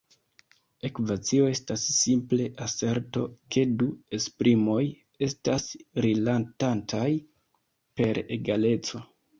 Ekvacio estas simple aserto ke du esprimoj estas rilatantaj per egaleco.